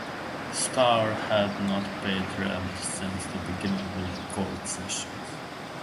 Starr had not paid rent since the beginning of the record sessions.